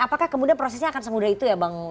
apakah kemudian prosesnya akan semudah itu ya bang